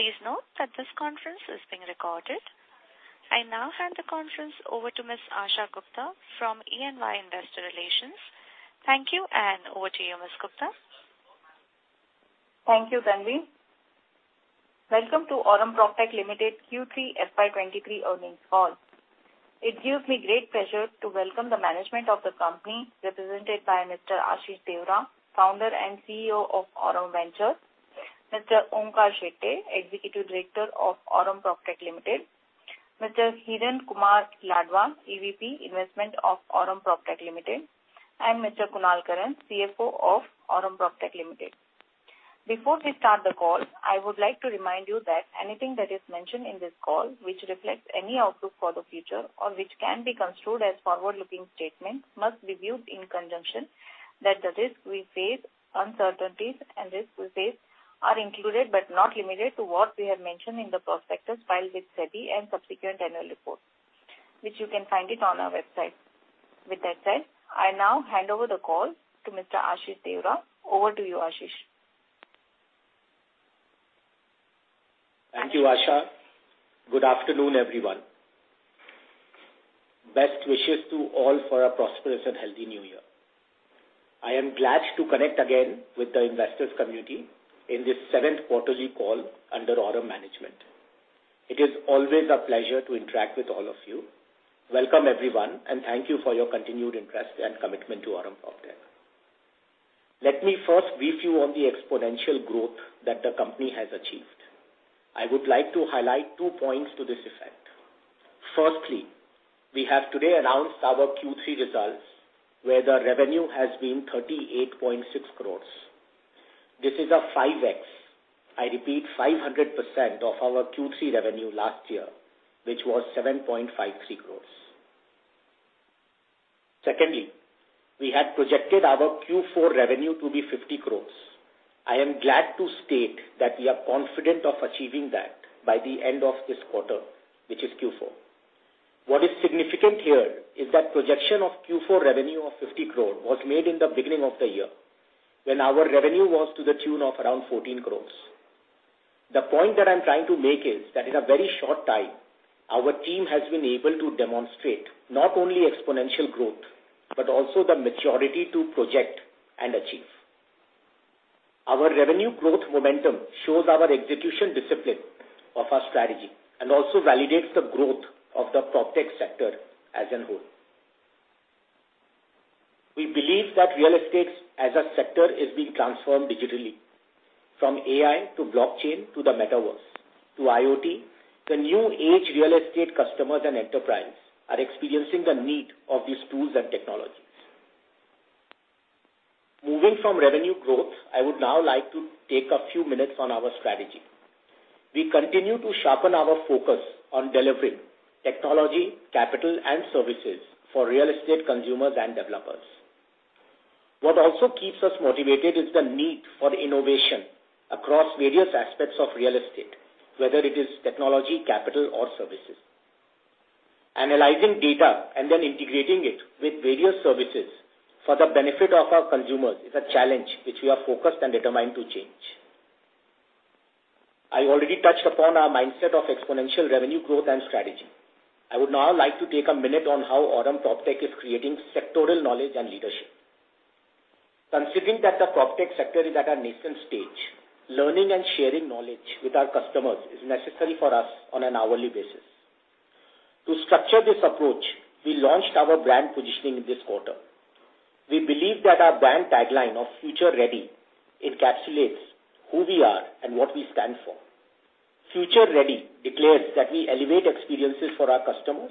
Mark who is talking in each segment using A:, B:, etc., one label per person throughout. A: Please note that this conference is being recorded. I now hand the conference over to Ms. Asha Gupta from E&Y Investor Relations. Thank you. Over to you, Ms. Gupta.
B: Thank you, Dhanvi. Welcome to Aurum PropTech Limited Q3 FY 2023 earnings call. It gives me great pleasure to welcome the management of the company represented by Mr. Ashish Deora, Founder and CEO of Aurum Ventures, Mr. Onkar Shetye, Executive Director of Aurum PropTech Limited, Mr. Hiren Kumar Ladva, EVP Investment of Aurum PropTech Limited, and Mr. Kunal Karan, CFO of Aurum PropTech Limited. Before we start the call, I would like to remind you that anything that is mentioned in this call which reflects any outlook for the future or which can be construed as forward-looking statements must be viewed in conjunction that the risks we face, uncertainties and risks we face are included, but not limited to what we have mentioned in the prospectus filed with SEBI and subsequent annual report, which you can find it on our website. With that said, I now hand over the call to Mr. Ashish Deora. Over to you, Ashish.
C: Thank you, Asha. Good afternoon, everyone. Best wishes to all for a prosperous and healthy new year. I am glad to connect again with the investors community in this seventh quarterly call under Aurum management. It is always a pleasure to interact with all of you. Welcome, everyone, and thank you for your continued interest and commitment to Aurum PropTech. Let me first brief you on the exponential growth that the company has achieved. I would like to highlight two points to this effect. Firstly, we have today announced our Q3 results, where the revenue has been 38.6 crores. This is a 5x, I repeat, 500% of our Q3 revenue last year, which was 7.53 crores. Secondly, we had projected our Q4 revenue to be 50 crores. I am glad to state that we are confident of achieving that by the end of this quarter, which is Q4. What is significant here is that projection of Q4 revenue of 50 crore was made in the beginning of the year when our revenue was to the tune of around 14 crore. The point that I'm trying to make is that in a very short time, our team has been able to demonstrate not only exponential growth, but also the maturity to project and achieve. Our revenue growth momentum shows our execution discipline of our strategy and also validates the growth of the PropTech sector as a whole. We believe that real estate as a sector is being transformed digitally. From AI to blockchain to the metaverse to IoT, the New Age real estate customers and enterprise are experiencing the need of these tools and technologies. Moving from revenue growth, I would now like to take a few minutes on our strategy. We continue to sharpen our focus on delivering technology, capital, and services for real estate consumers and developers. What also keeps us motivated is the need for innovation across various aspects of real estate, whether it is technology, capital, or services. Analyzing data and then integrating it with various services for the benefit of our consumers is a challenge which we are focused and determined to change. I already touched upon our mindset of exponential revenue growth and strategy. I would now like to take a minute on how Aurum PropTech is creating sectoral knowledge and leadership. Considering that the PropTech sector is at a nascent stage, learning and sharing knowledge with our customers is necessary for us on an hourly basis. To structure this approach, we launched our brand positioning this quarter. We believe that our brand tagline of Future Ready encapsulates who we are and what we stand for. Future Ready declares that we elevate experiences for our customers,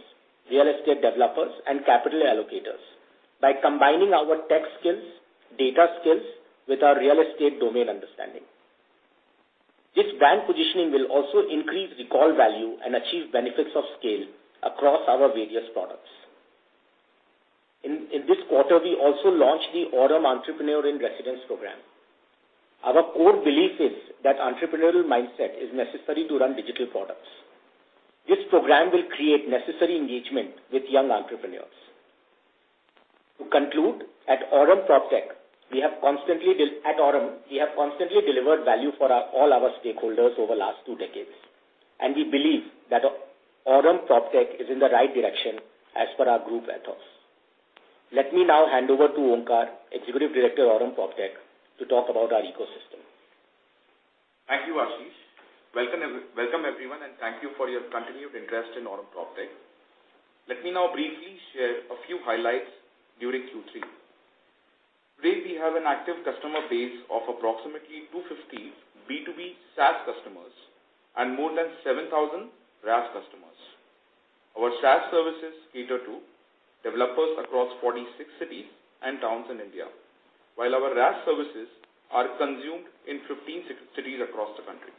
C: real estate developers, and capital allocators by combining our tech skills, data skills with our real estate domain understanding. This brand positioning will also increase recall value and achieve benefits of scale across our various products. In this quarter, we also launched the Aurum Entrepreneur in Residence program. Our core belief is that entrepreneurial mindset is necessary to run digital products. This program will create necessary engagement with young entrepreneurs. To conclude, at Aurum PropTech, at Aurum, we have constantly delivered value for all our stakeholders over last two decades. We believe that Aurum PropTech is in the right direction as per our group ethos. Let me now hand over to Onkar, Executive Director, Aurum PropTech, to talk about our ecosystem.
D: Thank you, Ashish. Welcome everyone and thank you for your continued interest in Aurum PropTech. Let me now briefly share a few highlights during Q3. Today, we have an active customer base of approximately 250 B2B SaaS customers and more than 7,000 RaaS customers. Our SaaS services cater to developers across 46 cities and towns in India. Our RaaS services are consumed in 15 cities across the country.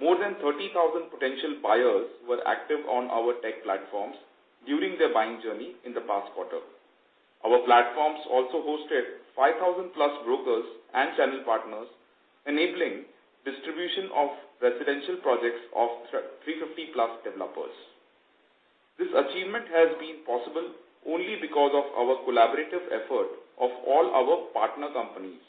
D: More than 30,000 potential buyers were active on our tech platforms during their buying journey in the past quarter. Our platforms also hosted 5,000 plus brokers and channel partners, enabling distribution of residential projects of 350 plus developers. This achievement has been possible only because of our collaborative effort of all our partner companies.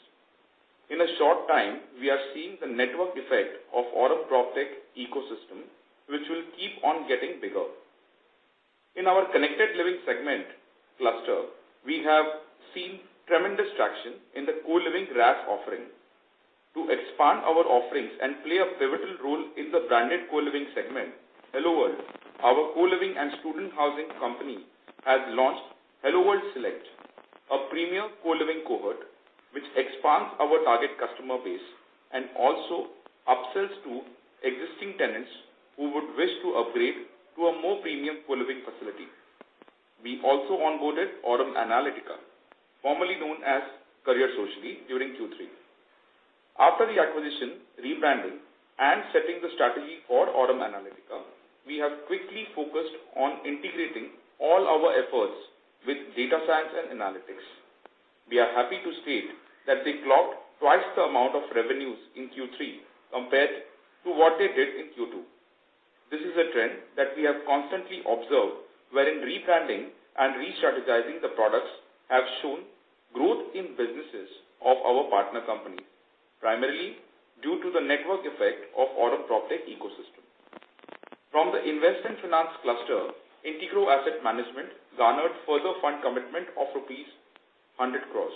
D: In a short time, we are seeing the network effect of Aurum PropTech ecosystem, which will keep on getting bigger. In our connected living segment cluster, we have seen tremendous traction in the co-living RaaS offering. To expand our offerings and play a pivotal role in the branded co-living segment, HelloWorld, our co-living and student housing company, has launched HelloWorld Select, a premium co-living cohort which expands our target customer base and also upsells to existing tenants who would wish to upgrade to a more premium co-living facility. We also onboarded Aurum Analytica, formerly known as CareerSocially, during Q3. After the acquisition, rebranding and setting the strategy for Aurum Analytica, we have quickly focused on integrating all our efforts with data science and analytics. We are happy to state that they clocked twice the amount of revenues in Q3 compared to what they did in Q2. This is a trend that we have constantly observed wherein rebranding and restrategizing the products have shown growth in businesses of our partner companies, primarily due to the network effect of Aurum PropTech ecosystem. From the investment finance cluster, Integrow Asset Management garnered further fund commitment of rupees 100 crore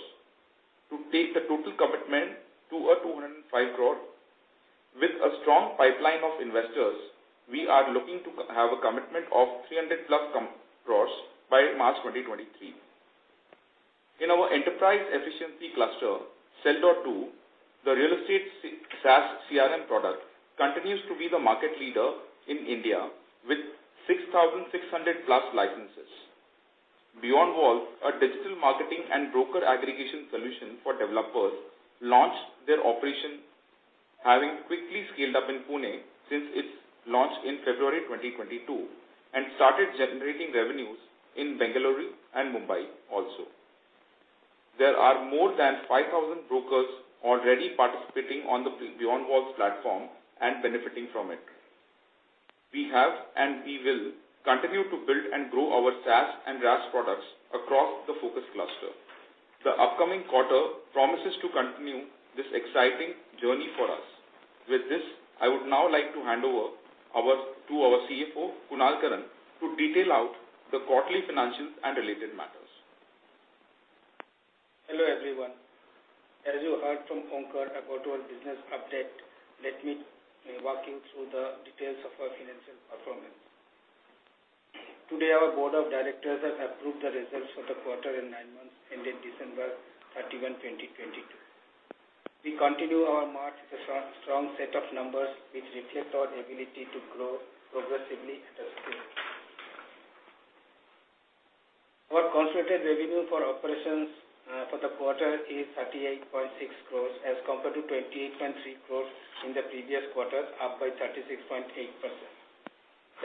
D: to take the total commitment to 205 crore. With a strong pipeline of investors, we are looking to have a commitment of 300+ crore by March 2023. In our enterprise efficiency cluster, Sell.Do, the real estate SaaS CRM product, continues to be the market leader in India with 6,600+ licenses. Beyond Walls, a digital marketing and broker aggregation solution for developers, launched their operation, having quickly scaled up in Pune since its launch in February 2022 and started generating revenues in Bengaluru and Mumbai also. There are more than 5,000 brokers already participating on the Beyond Walls platform and benefiting from it. We have, and we will continue to build and grow our SaaS and RaaS products across the focus cluster. The upcoming quarter promises to continue this exciting journey for us. With this, I would now like to hand over to our CFO, Kunal Karan, to detail out the quarterly financials and related matters.
E: Hello, everyone. As you heard from Onkar about our business update, let me walk you through the details of our financial performance. Today, our board of directors have approved the results for the quarter and nine months ending December 31, 2022. We continue our march with a strong set of numbers which reflect our ability to grow progressively at a scale. Our consolidated revenue for operations for the quarter is 38.6 crores as compared to 28.3 crores in the previous quarter, up by 36.8%.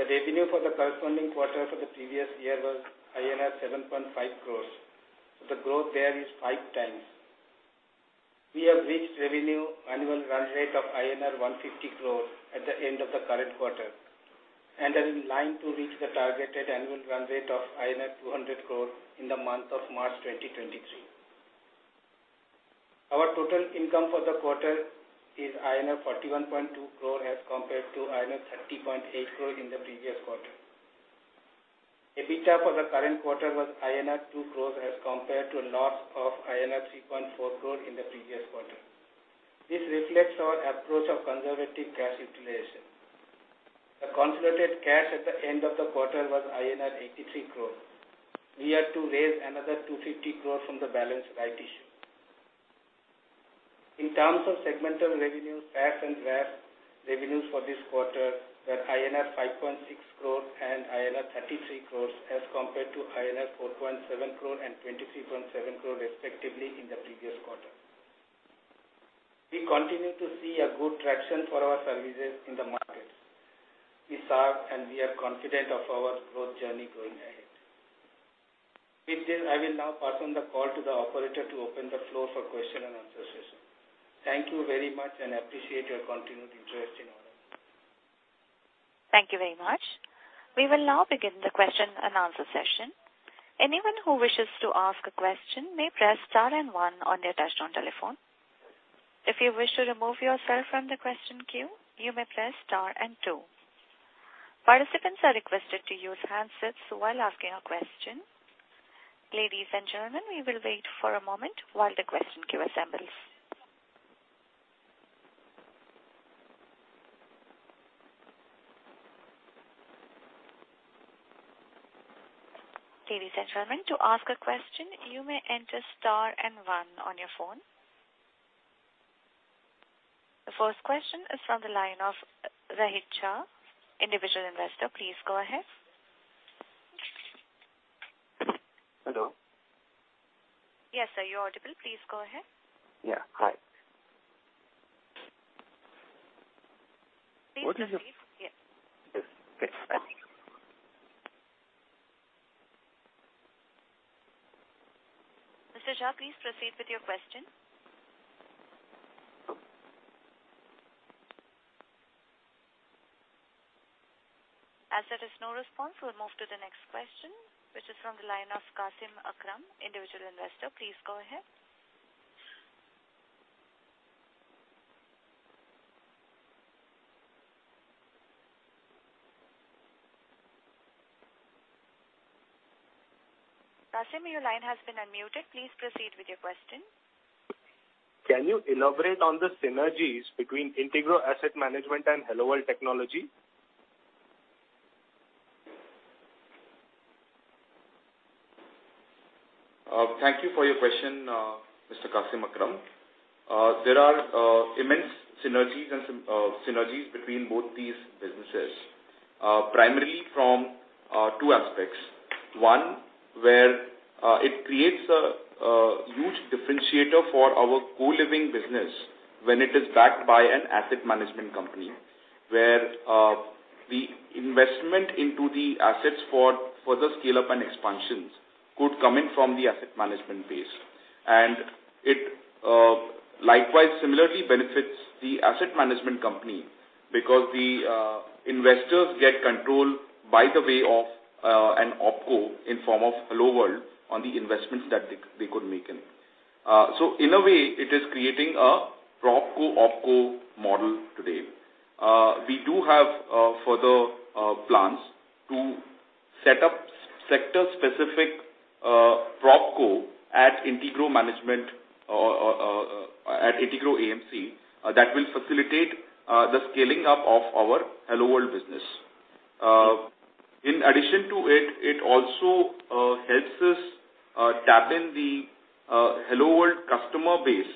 E: The revenue for the corresponding quarter for the previous year was INR 7.5 crores. The growth there is 5 times. We have reached revenue annual run rate of INR 150 crore at the end of the current quarter and are in line to reach the targeted annual run rate of INR 200 crore in the month of March 2023. Our total income for the quarter is 41.2 crore as compared to 30.8 crore in the previous quarter. EBITDA for the current quarter was INR 2 crore as compared to loss of INR 3.4 crore in the previous quarter. This reflects our approach of conservative cash utilization. The consolidated cash at the end of the quarter was INR 83 crore. We had to raise another 250 crore from the balance rights issue. In terms of segmental revenues, SaaS and RaaS revenues for this quarter were INR 5.6 crore and INR 33 crore as compared to INR 4.7 crore and 23.7 crore respectively in the previous quarter. We continue to see a good traction for our services in the markets. We are confident of our growth journey going ahead. With this, I will now pass on the call to the operator to open the floor for question and answer session. Thank you very much and appreciate your continued interest in Aurum.
A: Thank you very much. We will now begin the question and answer session. Anyone who wishes to ask a question may press star and 1 on their touchtone telephone. If you wish to remove yourself from the question queue, you may press star and 2. Participants are requested to use handsets while asking a question. Ladies and gentlemen, we will wait for a moment while the question queue assembles. Ladies and gentlemen, to ask a question, you may enter star and 1 on your phone. The first question is from the line of Rohit Jha, individual investor. Please go ahead.
F: Hello.
A: Yes, sir. You're audible. Please go ahead.
F: Yeah. Hi.
A: Please proceed. Yes.
F: Yes. Thanks.
A: Mr. Jha, please proceed with your question. As there is no response, we'll move to the next question, which is from the line of Qasim Akram, individual investor. Please go ahead. Qasim, your line has been unmuted. Please proceed with your question.
G: Can you elaborate on the synergies between Integrow Asset Management and HelloWorld Technology?
D: Thank you for your question, Mr. Qasim Akram. There are immense synergies between both these businesses, primarily from two aspects. One, where it creates a huge differentiator for our co-living business when it is backed by an asset management company, where the investment into the assets for further scale-up and expansions could come in from the asset management base. It likewise similarly benefits the asset management company because the investors get control by the way of an OpCo in form of HelloWorld on the investments that they could make in. In a way, it is creating a PropCo-OpCo model today. We do have further plans to set up sector-specific PropCo at Integro Management or at Integrow AMC that will facilitate the scaling up of our HelloWorld business. In addition to it also helps us tap in the HelloWorld customer base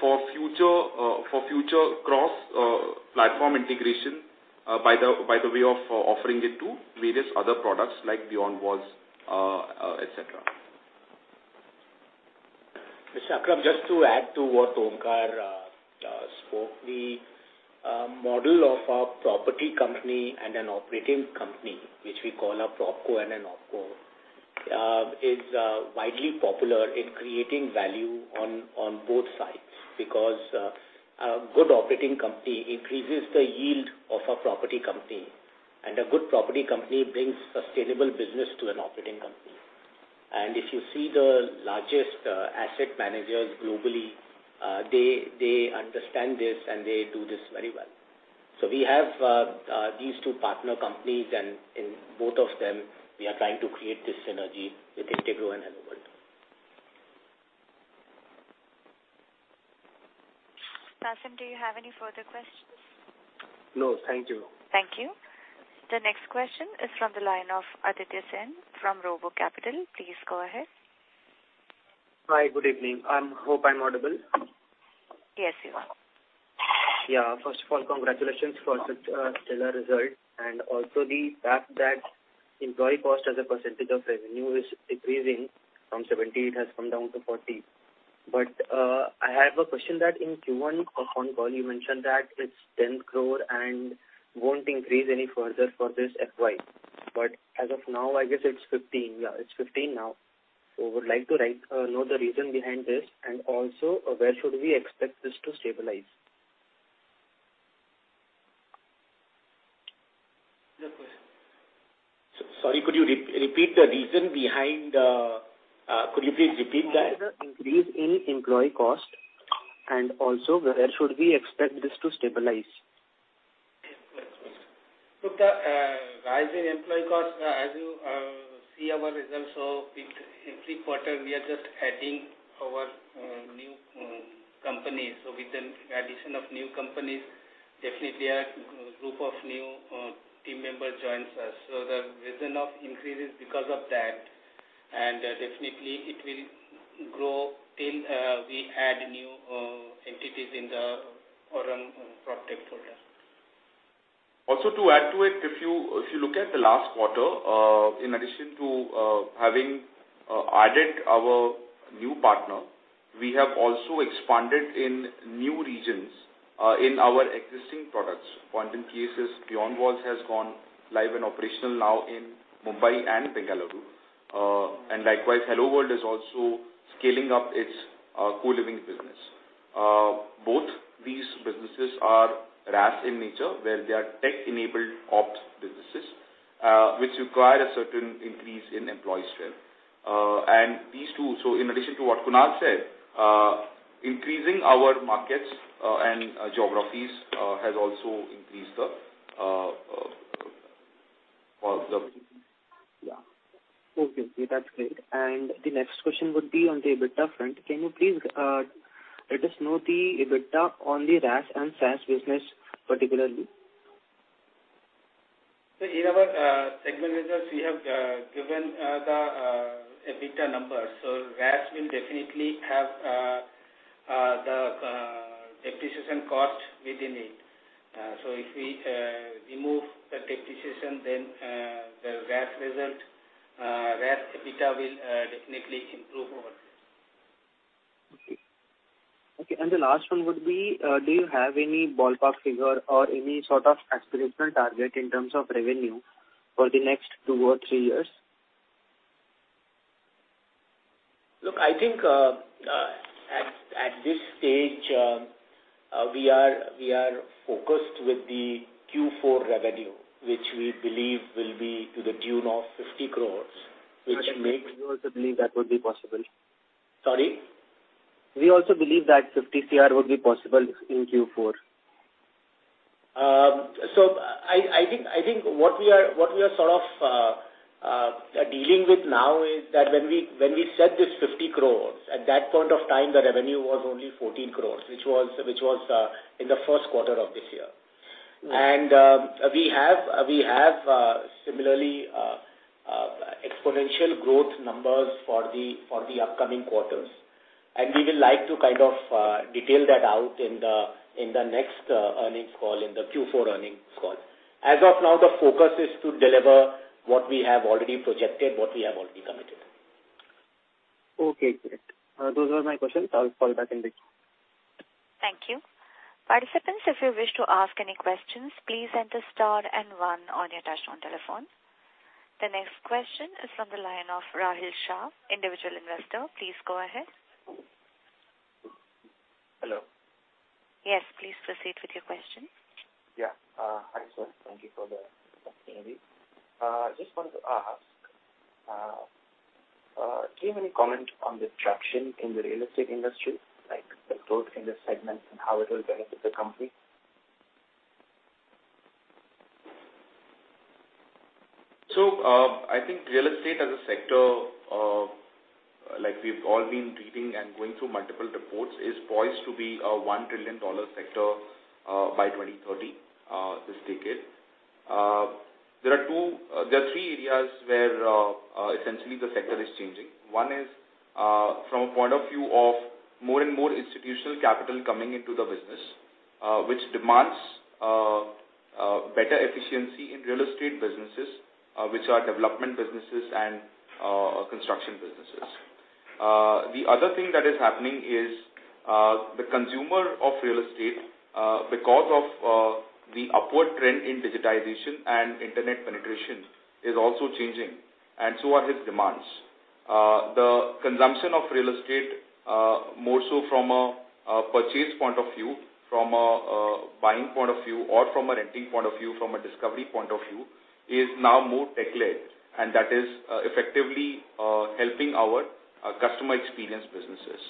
D: for future cross platform integration by the way of offering it to various other products like Beyond Walls, etc.
C: Mr. Akram, just to add to what Onkar spoke, the model of a property company and an operating company, which we call a PropCo and an OpCo, is widely popular in creating value on both sides. A good operating company increases the yield of a property company, and a good property company brings sustainable business to an operating company. If you see the largest asset managers globally, they understand this, and they do this very well. We have these two partner companies, and in both of them we are trying to create this synergy with Integro and HelloWorld.
A: Qasim, do you have any further questions?
G: No. Thank you.
A: Thank you. The next question is from the line of Aditya Sen from Robo Capital. Please go ahead.
H: Hi. Good evening. I'm hope I'm audible.
A: Yes, you are.
H: First of all, congratulations for such a stellar result and also the fact that employee cost as a % of revenue is decreasing. From 70 it has come down to 40. I have a question that in Q1 on call you mentioned that it's 10 crore and won't increase any further for this FY. As of now, I guess it's 15 crore. It's 15 crore now. Would like to know the reason behind this, and also where should we expect this to stabilize?
C: Your question.
D: Sorry, could you repeat the reason behind, could you please repeat that?
H: The increase in employee cost, and also where should we expect this to stabilize?
E: Look, the rise in employee cost, as you see our results. With every quarter, we are just adding our new companies. With the addition of new companies, definitely a group of new team members joins us. The reason of increase is because of that. Definitely it will grow till we add new entities in the Aurum PropTech folder.
D: To add to it, if you look at the last quarter, in addition to having added our new partner, we have also expanded in new regions in our existing products. Point in case is Beyond Walls has gone live and operational now in Mumbai and Bengaluru. Likewise, HelloWorld is also scaling up its co-living business. Both these businesses are RaaS in nature, where they are tech-enabled ops businesses, which require a certain increase in employee strength. These two, so in addition to what Kunal said, increasing our markets and geographies has also increased the
H: Yeah. Okay. That's great. The next question would be on the EBITDA front. Can you please let us know the EBITDA on the RaaS and SaaS business particularly?
E: In our segment results we have given the EBITDA numbers. RaaS will definitely have the depreciation cost within it. If we remove the depreciation then the RaaS EBITDA will definitely improve over this.
H: Okay. Okay. The last one would be, do you have any ballpark figure or any sort of aspirational target in terms of revenue for the next 2 or 3 years?
D: I think, at this stage, we are focused with the Q4 revenue, which we believe will be to the tune of 50 crores.
H: Do you also believe that would be possible?
D: Sorry.
G: Do you also believe that 50 CR would be possible in Q4?
D: I think what we are sort of dealing with now is that when we set this 50 crores, at that point of time, the revenue was only 14 crores, which was in the 1st quarter of this year.
G: Right.
D: We have similarly exponential growth numbers for the upcoming quarters. We will like to kind of detail that out in the next earnings call, in the Q4 earnings call. As of now, the focus is to deliver what we have already projected, what we have already committed.
G: Okay, great. Those were my questions. I'll call back in the queue.
A: Thank you. Participants, if you wish to ask any questions, please enter star and one on your touchtone telephone. The next question is from the line of Rahil Shah, individual investor. Please go ahead.
I: Hello.
A: Yes, please proceed with your question.
I: Yeah. Hi, sir. Thank you for the opportunity. I just wanted to ask, do you have any comment on the traction in the real estate industry, like the growth in this segment and how it will benefit the company?
D: I think real estate as a sector, like we've all been reading and going through multiple reports, is poised to be a $1 trillion sector by 2030 this decade. There are three areas where essentially the sector is changing. One is, from a point of view of more and more institutional capital coming into the business, which demands better efficiency in real estate businesses, which are development businesses and construction businesses. The other thing that is happening is, the consumer of real estate, because of the upward trend in digitization and internet penetration is also changing, and so are his demands. The consumption of real estate, more so from a purchase point of view, from a buying point of view or from a renting point of view, from a discovery point of view, is now more tech-led. That is effectively helping our customer experience businesses.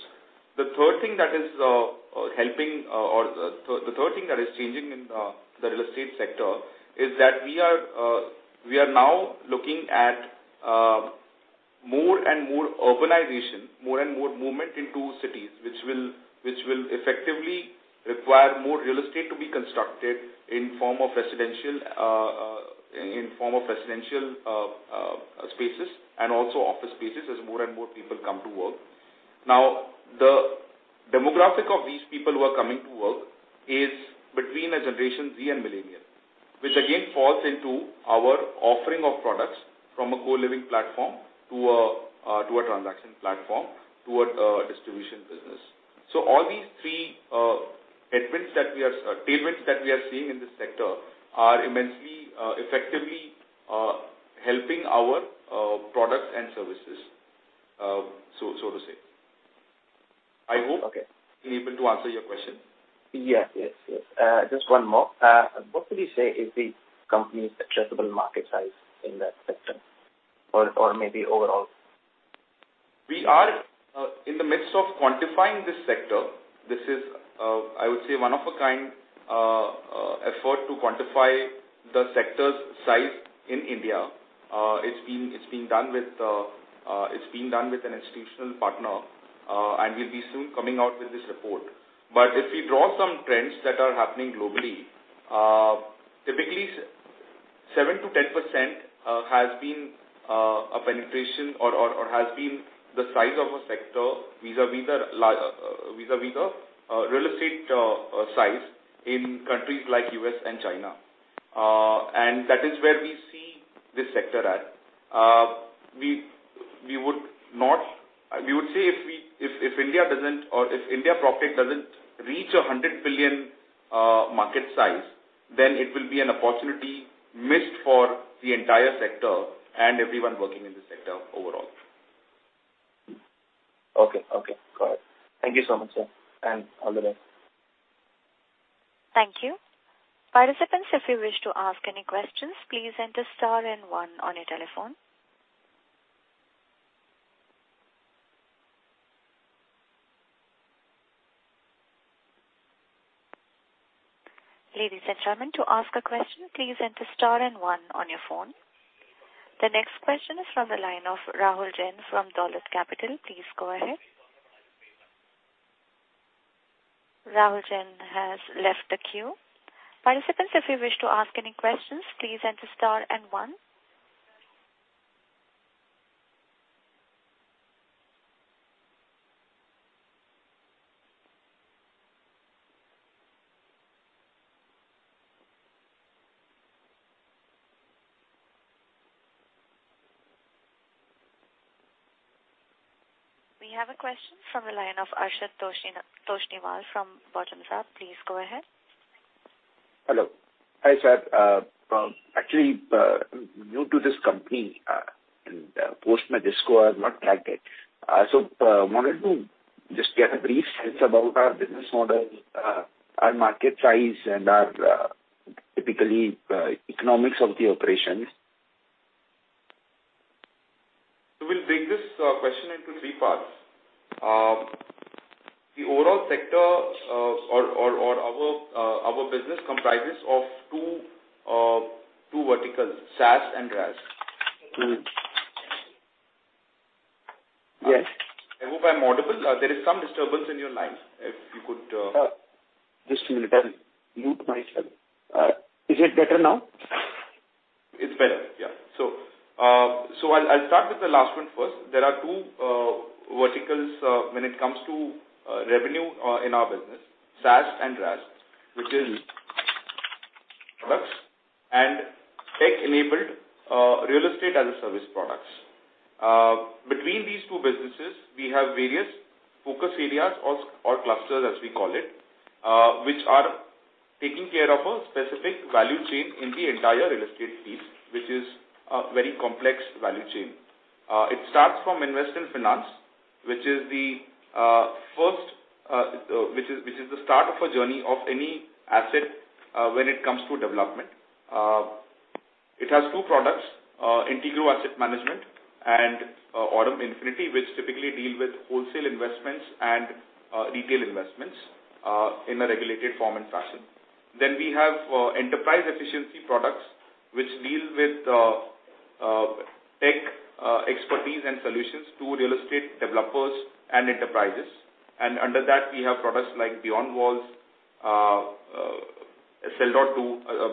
D: The third thing that is helping or the third thing that is changing in the real estate sector is that we are now looking at more and more urbanization, more and more movement into cities, which will effectively require more real estate to be constructed in form of residential in form of residential spaces and also office spaces as more and more people come to work. The demographic of these people who are coming to work is between a Generation Z and millennial, which again falls into our offering of products from a co-living platform to a transaction platform, to a distribution business. All these three tailwinds that we are seeing in this sector are immensely effectively helping our products and services, so to say. I hope.
I: Okay.
D: I'm able to answer your question.
I: Yes, yes. Just one more. What would you say is the company's addressable market size in that sector or maybe overall?
D: We are in the midst of quantifying this sector. This is I would say one of a kind effort to quantify the sector's size in India. It's being done with an institutional partner. We'll be soon coming out with this report. If we draw some trends that are happening globally, typically 7%-10% has been a penetration or has been the size of a sector vis-à-vis the vis-à-vis the real estate size in countries like US and China. That is where we see this sector at. We would not... We would say if we, if India doesn't or if India PropTech doesn't reach a $100 billion market size, then it will be an opportunity missed for the entire sector and everyone working in the sector overall.
I: Okay. Okay. Got it. Thank you so much, sir. All the best.
A: Thank you. Participants, if you wish to ask any questions, please enter star and one on your telephone. Ladies and gentlemen, to ask a question, please enter star and one on your phone. The next question is from the line of Rahul Jain from Dolat Capital. Please go ahead. Rahul Jain has left the queue. Participants, if you wish to ask any questions, please enter star and one. We have a question from the line of Arshad Toshniwal from Bottomup. Please go ahead.
J: Hello. Hi, sir. actually, I'm new to this company. Postman Disco, I've not tracked it. wanted to just get a brief sense about our business model, our market size and our, typically, economics of the operations.
D: We'll break this question into 3 parts. The overall sector, or our business comprises of 2 verticals, SaaS and RaaS.
J: Mm-hmm. Yes.
D: I hope I'm audible. There is some disturbance in your line, if you could.
J: Just a minute. Let me mute myself. Is it better now?
D: It's better, yeah. I'll start with the last one first. There are two verticals when it comes to revenue in our business, SaaS and RaaS, which is products and tech-enabled real estate as a service products. Between these two businesses, we have various focus areas or clusters as we call it, which are taking care of a specific value chain in the entire real estate piece, which is a very complex value chain. It starts from investment finance, which is the first which is, which is the start of a journey of any asset when it comes to development. It has two products, Integrow Asset Management and Aurum Infinity, which typically deal with wholesale investments and retail investments in a regulated form and fashion. We have enterprise efficiency products which deal with tech expertise and solutions to real estate developers and enterprises. Under that we have products like Beyond Walls, Sell.do.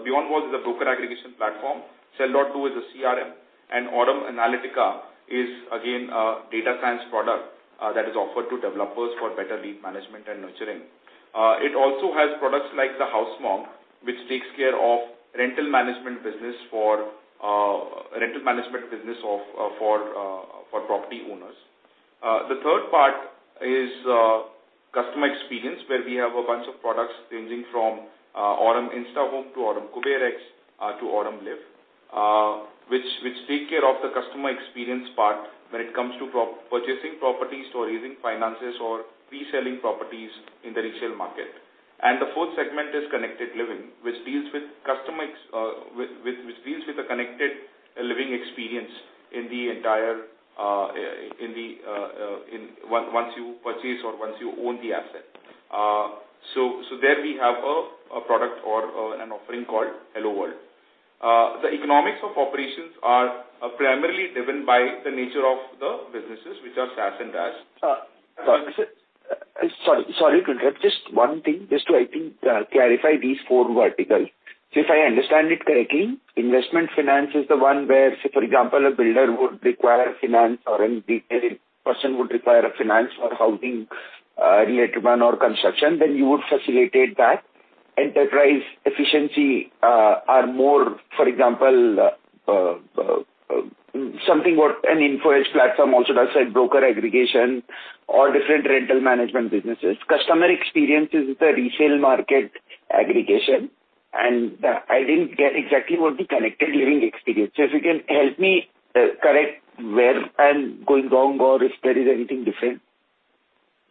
D: Beyond Walls is a broker aggregation platform. Sell.Do is a CRM. Aurum Analytica is again, a data science product that is offered to developers for better lead management and nurturing. It also has products like TheHouseMonk, which takes care of rental management business for property owners. The third part is customer experience, where we have a bunch of products ranging from Aurum InstaHome to Aurum KuberX to Aurum Liv, which take care of the customer experience part when it comes to purchasing properties or raising finances or reselling properties in the retail market. The fourth segment is connected living, which deals with the connected living experience in the entire once you purchase or once you own the asset. So there we have a product or an offering called HelloWorld. The economics of operations are primarily driven by the nature of the businesses, which are SaaS and RaaS.
J: Sorry to interrupt. Just one thing. Just to I think clarify these four verticals. If I understand it correctly, investment finance is the one where, say for example, a builder would require finance or any detail person would require a finance for housing related one or construction, then you would facilitate that. Enterprise efficiency are more, for example, something what an Info Edge platform also does, like broker aggregation or different rental management businesses. Customer experience is the resale market aggregation. I didn't get exactly what the connected living experience. If you can help me correct where I'm going wrong or if there is anything different.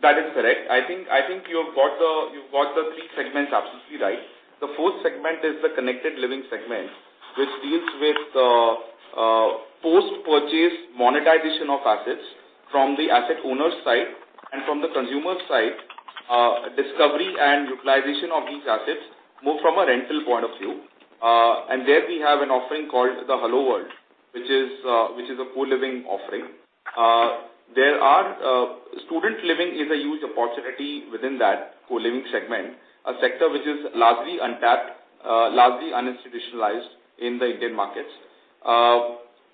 D: That is correct. I think you've got the 3 segments absolutely right. The 4th segment is the connected living segment, which deals with post-purchase monetization of assets from the asset owner's side and from the consumer's side, discovery and utilization of these assets more from a rental point of view. There we have an offering called the HelloWorld, which is a co-living offering. Student living is a huge opportunity within that co-living segment, a sector which is largely untapped, largely uninstitutionalized in the Indian markets.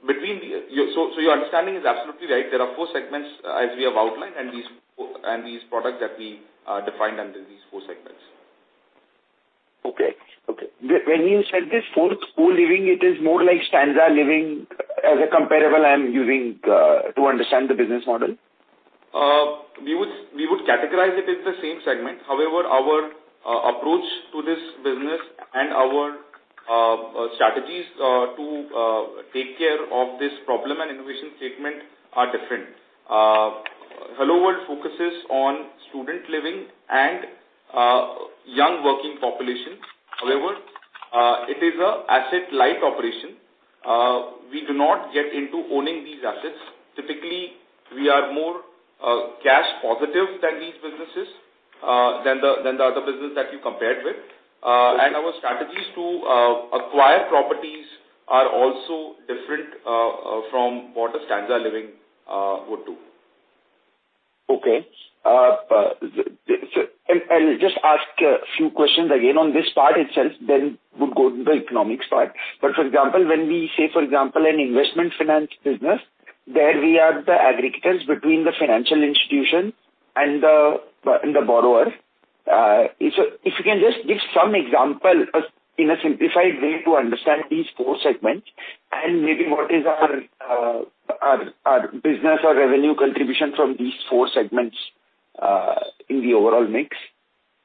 D: Your understanding is absolutely right. There are 4 segments as we have outlined and these products that we defined under these 4 segments.
J: Okay. Okay. when you said this fourth co-living, it is more like Stanza Living as a comparable I'm using, to understand the business model.
D: We would categorize it in the same segment. However, our approach to this business and our strategies to take care of this problem and innovation segment are different. HelloWorld focuses on student living and young working population. However, it is an asset-light operation. We do not get into owning these assets. Typically, we are more cash positive than these businesses than the other business that you compared with. Our strategies to acquire properties are also different from what a Stanza Living would do.
J: Okay. I'll just ask a few questions again on this part itself then we'll go to the economics part. For example, when we say for example, an investment finance business, there we are the aggregates between the financial institution and the borrower. If you can just give some example, in a simplified way to understand these four segments and maybe what is our business or revenue contribution from these four segments. In the overall mix.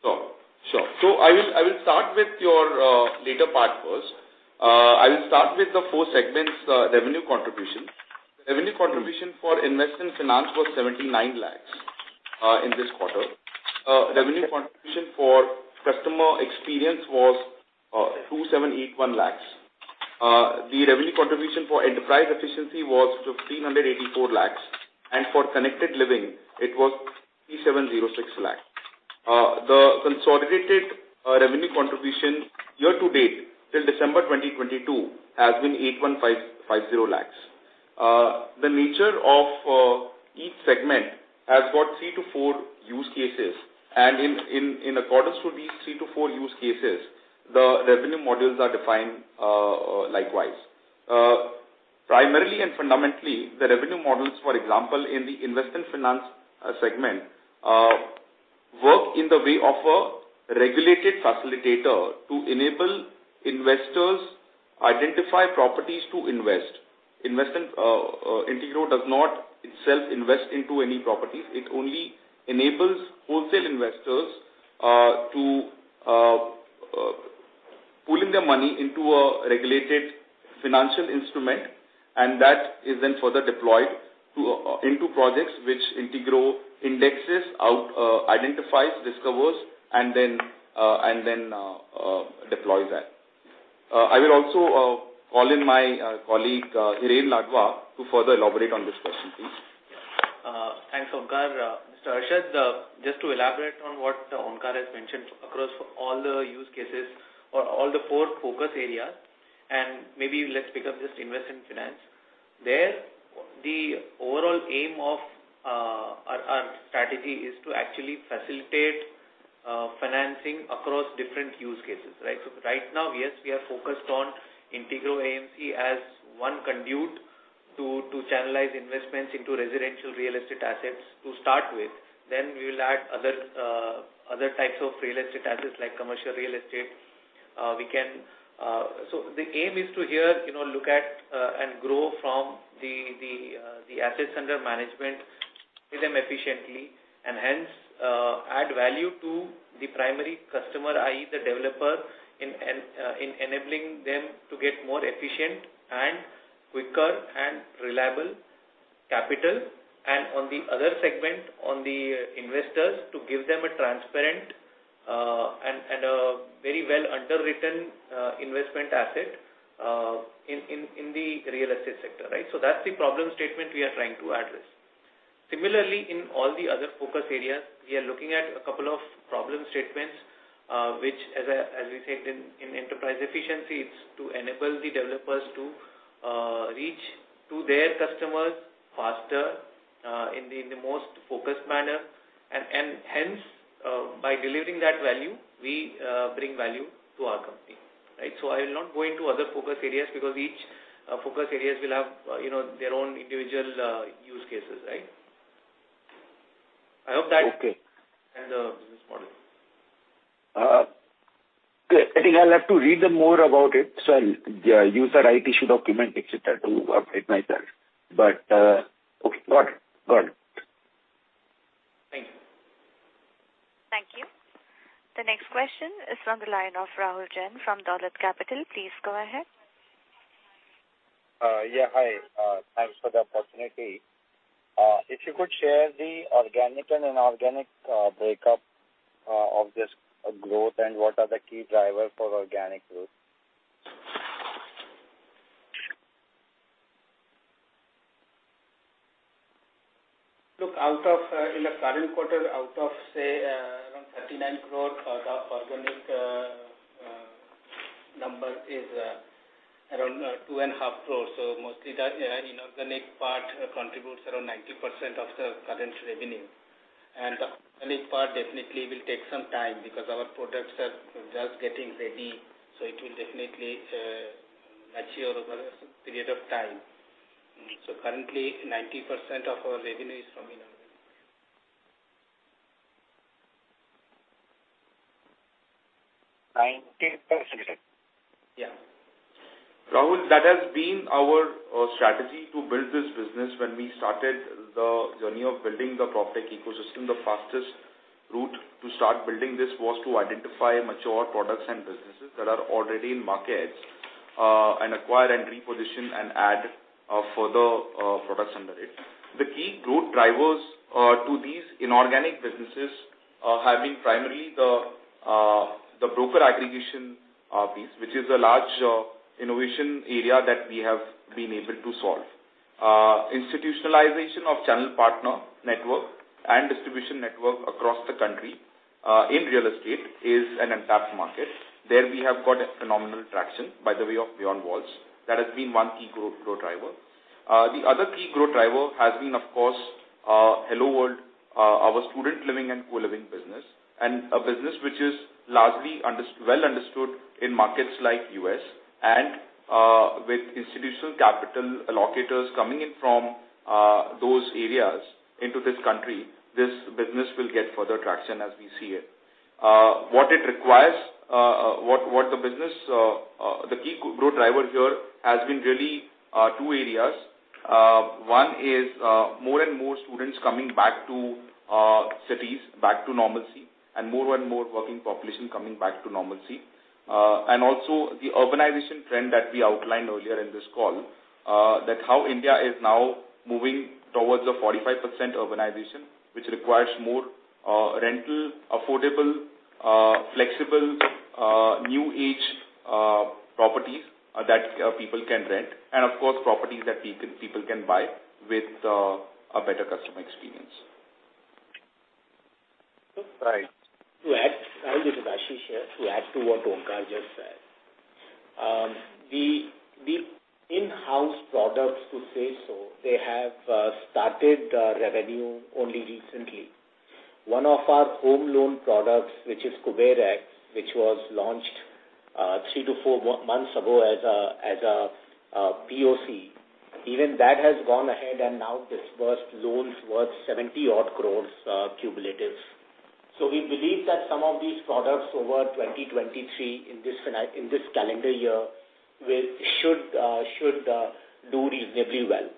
D: Sure. I will start with your later part first. I will start with the four segments' revenue contribution. Revenue contribution for investment finance was 79 lakhs in this quarter. Revenue contribution for customer experience was 2,781 lakhs. The revenue contribution for enterprise efficiency was 1,384 lakhs, and for connected living it was 3,706 lakh. The consolidated revenue contribution year to date till December 2022 has been 81,550 lakhs. The nature of each segment has got three to four use cases, and in accordance to these three to four use cases, the revenue models are defined likewise. Primarily and fundamentally, the revenue models, for example, in the investment finance segment work in the way of a regulated facilitator to enable investors identify properties to invest. Investment Integro does not itself invest into any properties. It only enables wholesale investors to pooling their money into a regulated financial instrument, and that is then further deployed to, into projects which Integro indexes out, identifies, discovers, and then deploy that. I will also call in my colleague Hiren Ladva, to further elaborate on this question, please.
K: Thanks, Onkar. Mr. Arshad, just to elaborate on what Onkar has mentioned across all the use cases or all the four focus areas, maybe let's pick up just investment finance. There the overall aim of our strategy is to actually facilitate financing across different use cases, right? Right now, yes, we are focused on Integrow AMC as one conduit to channelize investments into residential real estate assets to start with. We will add other types of real estate assets like commercial real estate. The aim is to here, you know, look at and grow from the assets under management, build them efficiently, and hence add value to the primary customer, i.e. the developer, in enabling them to get more efficient and quicker and reliable capital. On the other segment, on the investors to give them a transparent and a very well underwritten investment asset in the real estate sector, right? That's the problem statement we are trying to address. Similarly, in all the other focus areas, we are looking at 2 problem statements, which as we said in enterprise efficiency, it's to enable the developers to reach to their customers faster in the most focused manner. Hence, by delivering that value, we bring value to our company, right? I will not go into other focus areas because each focus areas will have, you know, their own individual use cases, right?
J: Okay.
K: The business model.
J: Okay. I think I'll have to read them more about it. User IT should document, et cetera, to update myself. Okay, got it. Got it.
K: Thank you.
A: Thank you. The next question is from the line of Rahul Jain from Dolat Capital. Please go ahead.
L: Yeah, hi. Thanks for the opportunity. If you could share the organic and inorganic breakup of this growth and what are the key drivers for organic growth?
K: Look, out of, in the current quarter, out of, say, around 39 crore, the organic number is around 2.5 crore. Mostly the inorganic part contributes around 90% of the current revenue. The organic part definitely will take some time because our products are just getting ready, so it will definitely mature over a period of time. Currently 90% of our revenue is from inorganic.
L: 90%.
K: Yeah.
D: Rahul, that has been our strategy to build this business. When we started the journey of building the PropTech ecosystem, the fastest route to start building this was to identify mature products and businesses that are already in markets and acquire and reposition and add further products under it. The key growth drivers to these inorganic businesses have been primarily the broker aggregation piece, which is a large innovation area that we have been able to solve. Institutionalization of channel partner network and distribution network across the country in real estate is an untapped market. There we have got a phenomenal traction by the way of Beyond Walls. That has been one key growth driver. The other key growth driver has been, of course, HelloWorld, our student living and co-living business, and a business which is largely well understood in markets like U.S. With institutional capital allocators coming in from those areas into this country, this business will get further traction as we see it. What it requires, what the business, the key growth driver here has been really two areas. One is more and more students coming back to cities, back to normalcy, and more and more working population coming back to normalcy. The urbanization trend that we outlined earlier in this call, that how India is now moving towards a 45% urbanization, which requires more rental, affordable, flexible, new age properties that people can rent, and of course, properties that people can buy with a better customer experience.
L: Right.
C: To add. Hi, this is Ashish here. To add to what Onkar just said. The in-house products, to say so, they have started revenue only recently. One of our home loan products, which is KuberX, which was launched 3-4 months ago as a POC, even that has gone ahead and now disbursed loans worth 70 odd crores cumulative. We believe that some of these products over 2023 in this calendar year will should do reasonably well.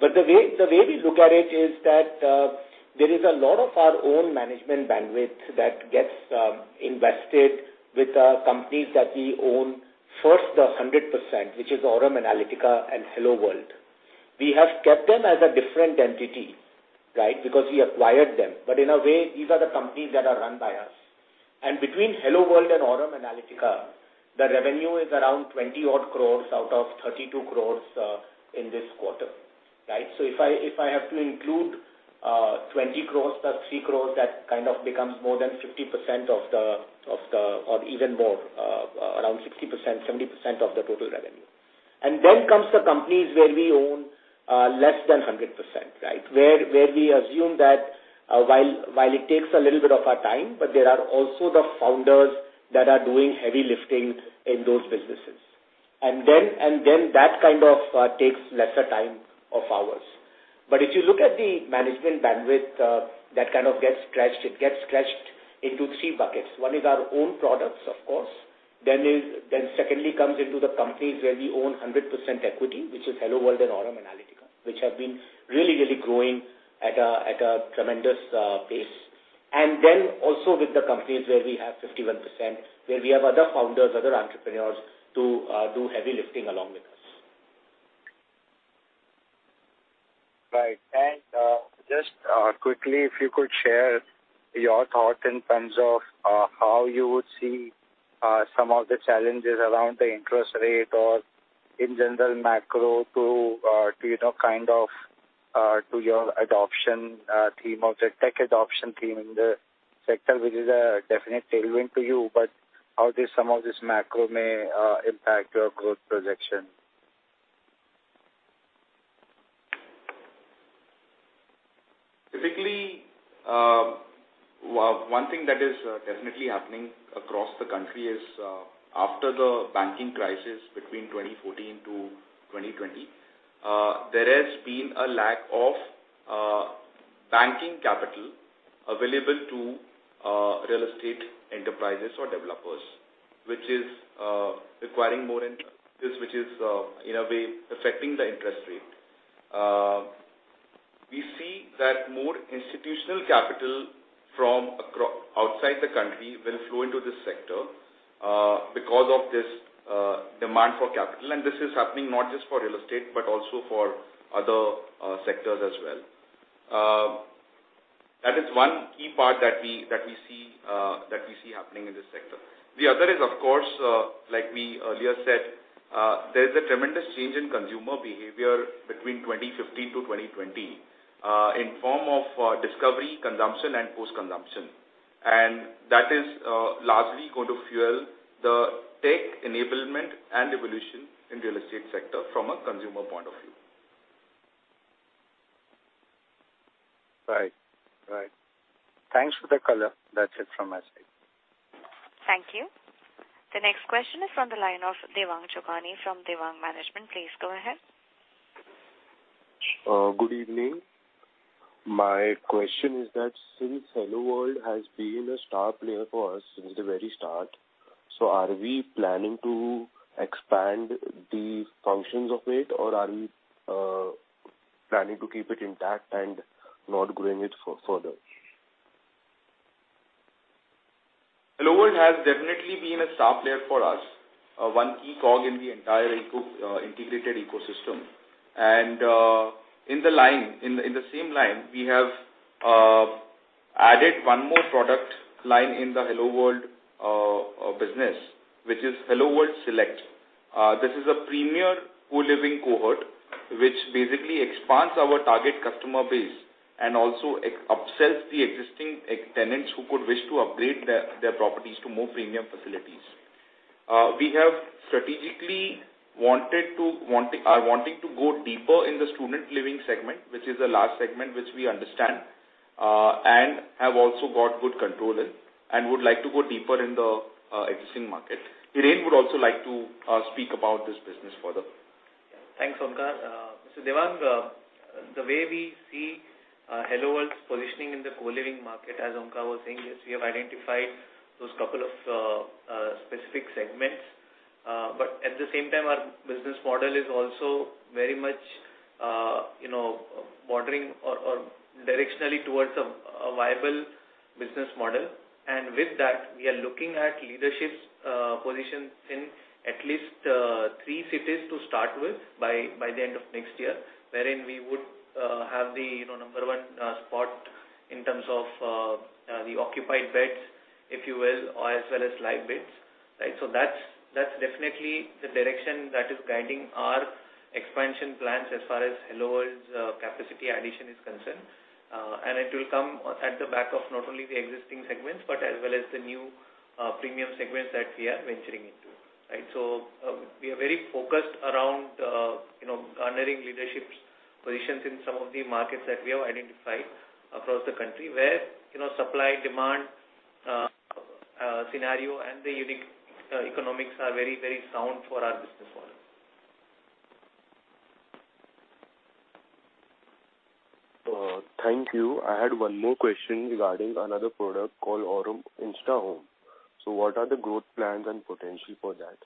C: The way we look at it is that there is a lot of our own management bandwidth that gets invested with companies that we own first the 100%, which is Aurum Analytica and HelloWorld. We have kept them as a different entity, right? Because we acquired them. In a way, these are the companies that are run by us. Between HelloWorld and Aurum Analytica, the revenue is around 20 odd crores out of 32 crores in this quarter. If I have to include 20 crores plus 3 crores, that kind of becomes more than 50% of the total revenue, or even more, around 60%, 70% of the total revenue. Comes the companies where we own less than 100%. Where we assume that, while it takes a little bit of our time, but there are also the founders that are doing heavy lifting in those businesses. That kind of takes lesser time of ours. If you look at the management bandwidth, that kind of gets scratched, it gets scratched into three buckets. One is our own products, of course. Secondly comes into the companies where we own 100% equity, which is HelloWorld and Aurum Analytica, which have been really growing at a tremendous pace. Then also with the companies where we have 51%, where we have other founders, other entrepreneurs to do heavy lifting along with us.
L: Right. Just quickly, if you could share your thought in terms of how you would see some of the challenges around the interest rate or in general macro to, you know, kind of, to your adoption theme of the tech adoption theme in the sector, which is a definite tailwind to you, but how this, some of this macro may impact your growth projection?
D: Typically, well, one thing that is definitely happening across the country is after the banking crisis between 2014 to 2020, there has been a lack of banking capital available to real estate enterprises or developers, which is requiring more enterprises, which is in a way affecting the interest rate. We see that more institutional capital from outside the country will flow into this sector because of this demand for capital. This is happening not just for real estate, but also for other sectors as well. That is one key part that we see happening in this sector. The other is of course, like we earlier said, there is a tremendous change in consumer behavior between 2015 to 2020, in form of discovery, consumption and post-consumption. That is largely going to fuel the tech enablement and evolution in real estate sector from a consumer point of view.
L: Right. Right. Thanks for the color. That's it from my side.
A: Thank you. The next question is from the line of Devang Choksey from Devang Management. Please go ahead.
M: Good evening. My question is that since HelloWorld has been a star player for us since the very start, are we planning to expand the functions of it, or are we planning to keep it intact and not growing it further?
D: HelloWorld has definitely been a star player for us, one key cog in the entire integrated ecosystem. In the line, in the same line, we have added one more product line in the HelloWorld business, which is HelloWorld Select. This is a premier co-living cohort, which basically expands our target customer base and also ex-upsells the existing, like, tenants who could wish to upgrade their properties to more premium facilities. We have strategically are wanting to go deeper in the student living segment, which is a large segment which we understand, and have also got good control in, and would like to go deeper in the existing market. Hiren Ladva would also like to speak about this business further.
K: Thanks, Onkar. Devang, the way we see HelloWorld's positioning in the co-living market, as Omkar was saying, is we have identified those couple of specific segments. At the same time, our business model is also very much, you know, bordering or directionally towards a viable business model. With that, we are looking at leaderships positions in at least 3 cities to start with by the end of next year. Wherein we would have the, you know, number 1 spot in terms of the occupied beds, if you will, or as well as live beds, right? That's definitely the direction that is guiding our expansion plans as far as HelloWorld's capacity addition is concerned. It will come at the back of not only the existing segments, but as well as the new, premium segments that we are venturing into, right. We are very focused around, you know, garnering leaderships positions in some of the markets that we have identified across the country, where, you know, supply demand, scenario and the unique economics are very, very sound for our business model.
N: Thank you. I had one more question regarding another product called Aurum InstaHome. What are the growth plans and potential for that?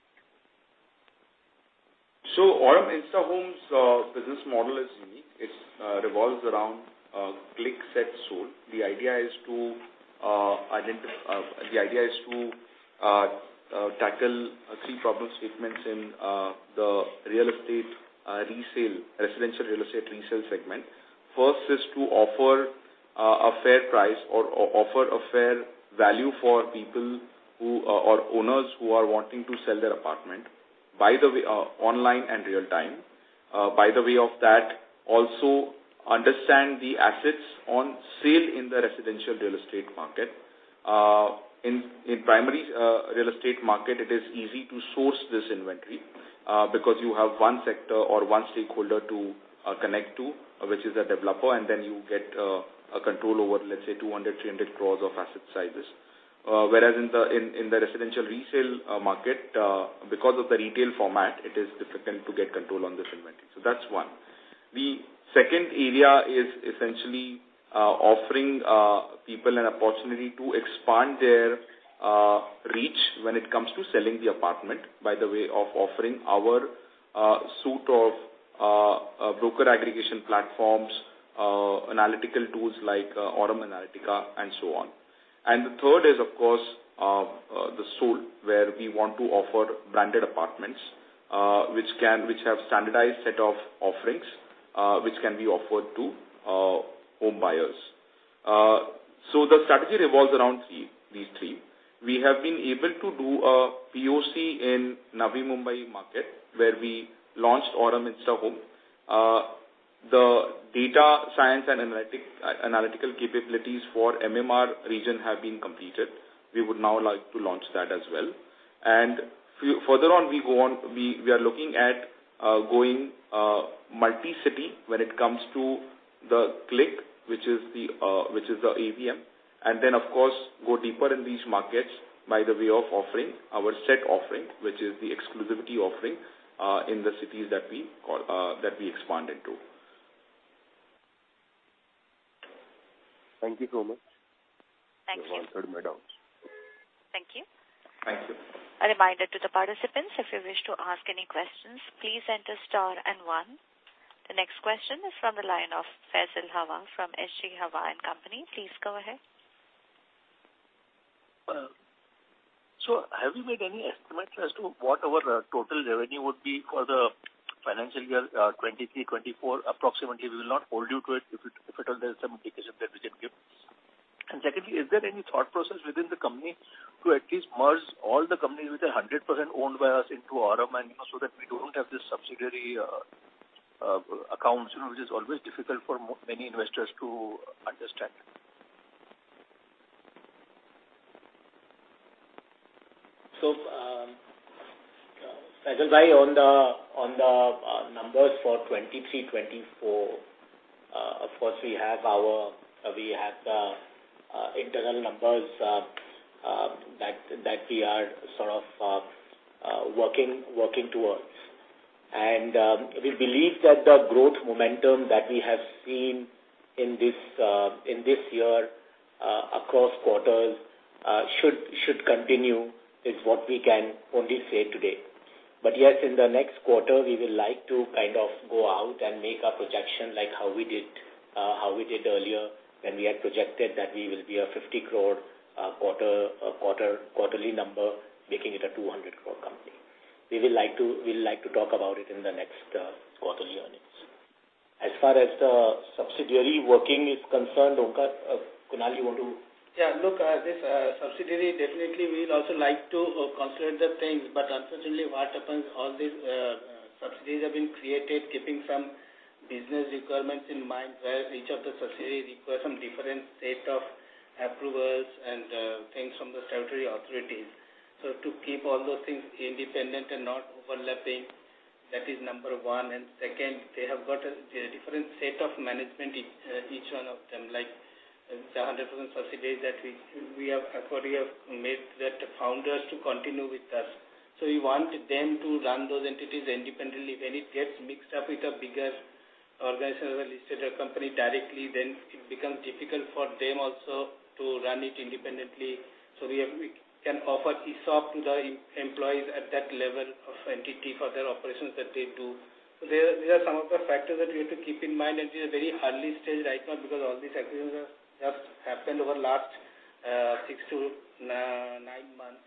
D: Aurum InstaHome's business model is unique. It revolves around click, set, sold. The idea is to tackle a few problem statements in the real estate resale, residential real estate resale segment. First is to offer a fair price or offer a fair value for people who, or owners who are wanting to sell their apartment by the way, online and real time. By the way of that, also understand the assets on sale in the residential real estate market. In primary real estate market, it is easy to source this inventory because you have one sector or one stakeholder to connect to, which is a developer. You get a control over, let's say, 200-300 crores of asset sizes. Whereas in the, in the residential resale market, because of the retail format, it is difficult to get control on this inventory. That's one. The second area is essentially offering people an opportunity to expand their reach when it comes to selling the apartment, by the way of offering our suite of broker aggregation platforms, analytical tools like Aurum Analytica and so on. The third is of course, the sold, where we want to offer branded apartments, which have standardized set of offerings, which can be offered to home buyers. The strategy revolves around three, these three. We have been able to do a POC in Navi Mumbai market, where we launched Aurum InstaHome. The data science and analytical capabilities for MMR region have been completed. We would now like to launch that as well. Further on, we go on, we are looking at going multi-city when it comes to the click, which is the ABM. Then of course, go deeper in these markets by the way of offering our set offering, which is the exclusivity offering in the cities that we call that we expand into.
N: Thank you so much.
A: Thank you.
N: You have answered my doubts.
A: Thank you.
N: Thank you.
A: A reminder to the participants, if you wish to ask any questions, please enter star 1. The next question is from the line of Faisal Havai from S.G. Havai & Co.. Please go ahead.
N: Well, have you made any estimates as to what our total revenue would be for the financial year 2023, 2024 approximately? We will not hold you to it if at all there's some indication that we can give. Secondly, is there any thought process within the company to at least merge all the companies which are 100% owned by us into Aurum and, you know, so that we don't have this subsidiary accounts, you know, which is always difficult for many investors to understand?
C: Faisal, on the numbers for 2023, 2024, of course, we have our, we have the internal numbers that we are sort of working towards. We believe that the growth momentum that we have seen in this year across quarters should continue, is what we can only say today. Yes, in the next quarter, we would like to kind of go out and make a projection like how we did earlier when we had projected that we will be a 50 crore quarterly number, making it a 200 crore company. We'll like to talk about it in the next quarterly earnings. As far as the subsidiary working is concerned, Onkar, Kunal, you want to?
D: Yeah, look, this subsidiary definitely we'd also like to consolidate the things. Unfortunately, what happens all these subsidiaries have been created keeping some business requirements in mind, where each of the subsidiaries require some different set of approvals and things from the statutory authorities. To keep all those things independent and not overlapping, that is number one. Second, they have got a different set of management each one of them.
C: It's a 100% subsidiary that we have AccorYo made that founders to continue with us. We want them to run those entities independently. When it gets mixed up with a bigger organization or a listed company directly, then it becomes difficult for them also to run it independently. We can offer ESOP to the employees at that level of entity for their operations that they do. There are some of the factors that we have to keep in mind, and this is a very early stage right now because all these acquisitions have happened over last six to nine months.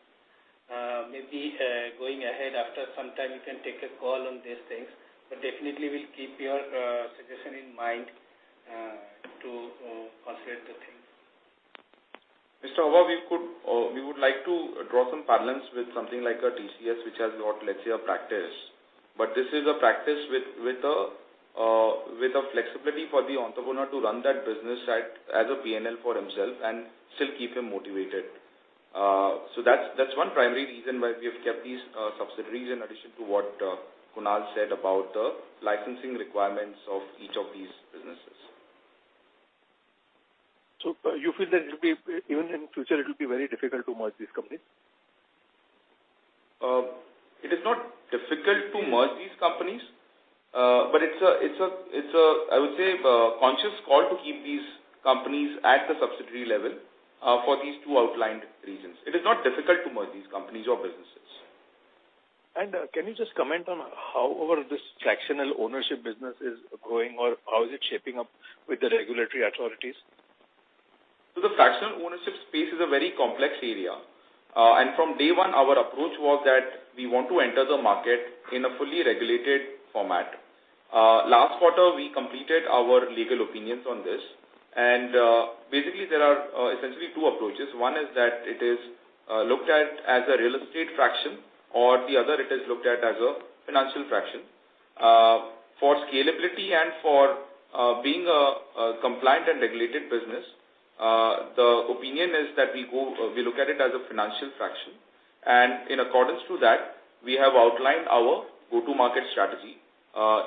C: Maybe going ahead after some time we can take a call on these things. Definitely we'll keep your suggestion in mind to consider the thing.
D: Mr. Havai, we would like to draw some parallels with something like a TCS, which has got, let's say, a practice. This is a practice with a flexibility for the entrepreneur to run that business side as a PNL for himself and still keep him motivated. That's one primary reason why we have kept these subsidiaries in addition to what Kunal said about the licensing requirements of each of these businesses.
N: You feel that even in future it will be very difficult to merge these companies?
D: It is not difficult to merge these companies, but it's a, I would say, conscious call to keep these companies at the subsidiary level, for these two outlined reasons. It is not difficult to merge these companies or businesses.
N: Can you just comment on how well this fractional ownership business is growing or how is it shaping up with the regulatory authorities?
D: The fractional ownership space is a very complex area. From day one, our approach was that we want to enter the market in a fully regulated format. Last quarter, we completed our legal opinions on this. Basically there are essentially two approaches. One is that it is looked at as a real estate fraction, or the other, it is looked at as a financial fraction. For scalability and for being a compliant and regulated business, the opinion is that we look at it as a financial fraction. In accordance to that, we have outlined our go-to-market strategy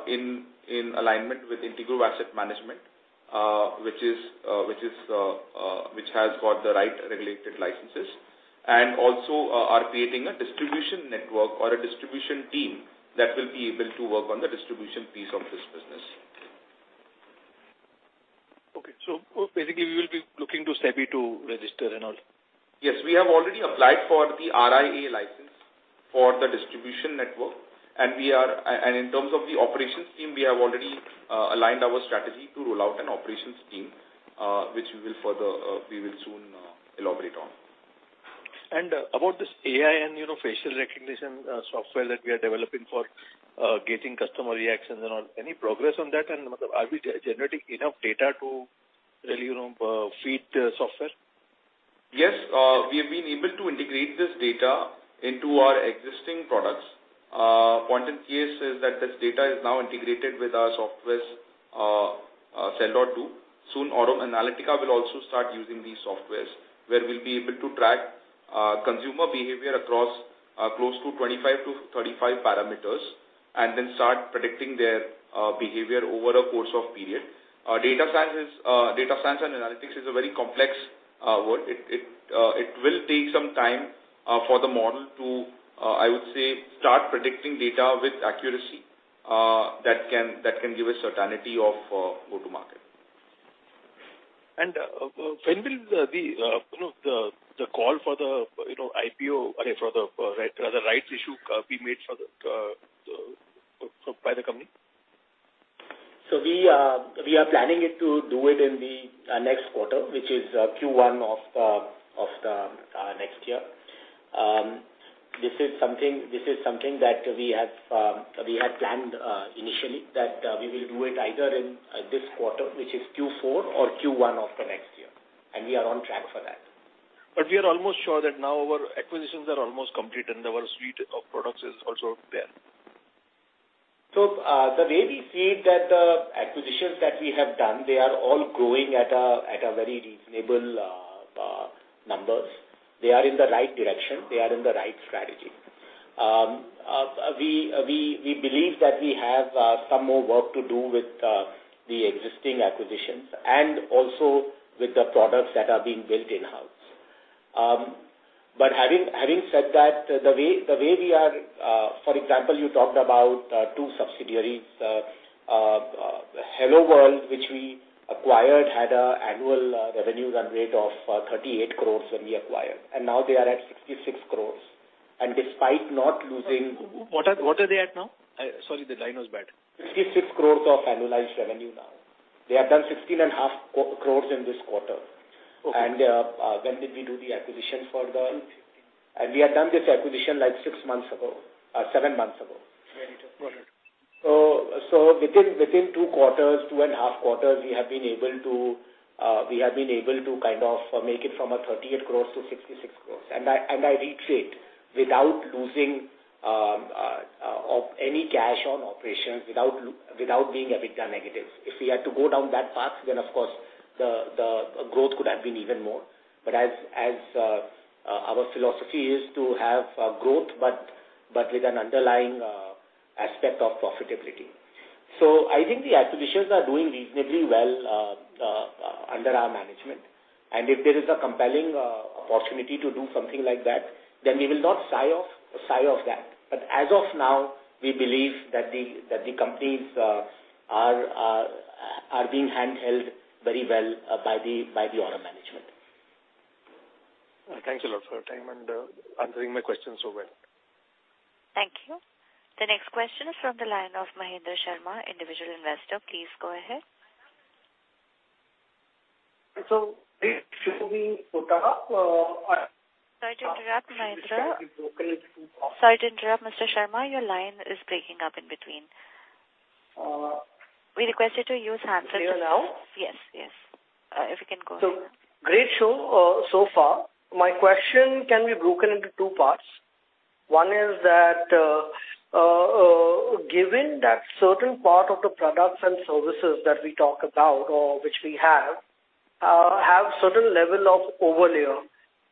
D: in alignment with Integrow Asset Management, which has got the right regulated licenses. Also are creating a distribution network or a distribution team that will be able to work on the distribution piece of this business.
N: Okay. Basically we will be looking to SEBI to register and all.
D: Yes, we have already applied for the RIA license for the distribution network, and in terms of the operations team, we have already aligned our strategy to roll out an operations team, which we will further, we will soon elaborate on.
N: About this AI and, you know, facial recognition software that we are developing for gauging customer reactions and all, any progress on that? Are we generating enough data to really, you know, feed the software?
D: Yes. We have been able to integrate this data into our existing products. Point in case is that this data is now integrated with our softwares, Sell.Do too. Soon, Aurum Analytica will also start using these softwares, where we'll be able to track consumer behavior across close to 25-35 parameters and then start predicting their behavior over a course of period. Data science is data science and analytics is a very complex work. It, it will take some time for the model to, I would say, start predicting data with accuracy, that can give a certainty of go to market.
N: When will the, you know, the call for the, you know, I mean, for the rights issue, be made by the company?
C: We are planning it to do it in the next quarter, which is Q1 of the next year. This is something that we have, we had planned initially that we will do it either in this quarter, which is Q4 or Q1 of the next year. We are on track for that.
N: We are almost sure that now our acquisitions are almost complete and our suite of products is also there.
C: The way we see that the acquisitions that we have done, they are all growing at a very reasonable numbers. They are in the right direction. They are in the right strategy. We believe that we have some more work to do with the existing acquisitions and also with the products that are being built in-house. Having said that, the way we are, for example, you talked about two subsidiaries, HelloWorld, which we acquired, had a annual revenue run rate of 38 crores when we acquired. Now they are at 66 crores. Despite not losing-
N: What are they at now? Sorry, the line was bad.
C: 66 crores of annualized revenue now. They have done 16.5 crores in this quarter.
N: Okay.
C: When did we do the acquisition for the? We had done this acquisition like 6 months ago, 7 months ago.
N: Got it.
C: Within two quarters, two and a half quarters, we have been able to kind of make it from 38 crores to 66 crores. I re-state, without losing of any cash on operations, without being EBITDA negative. If we had to go down that path, then of course the growth could have been even more. As our philosophy is to have growth but with an underlying aspect of profitability. I think the acquisitions are doing reasonably well under our management. If there is a compelling opportunity to do something like that, then we will not shy off that. as of now, we believe that the companies are being handheld very well by the Aurum management.
N: Thanks a lot for your time and answering my questions so well.
A: Thank you. The next question is from the line of Mahendra Sharma, individual investor. Please go ahead.
O: So
A: Sorry to interrupt, Mahendra. Sorry to interrupt, Mr. Sharma. Your line is breaking up in between.
O: Uh.
A: We request you to use handset-
O: Can you hear now?
A: Yes, yes. If you can go ahead.
O: Great show so far. My question can be broken into two parts. One is that given that certain part of the products and services that we talk about or which we have have certain level of overlay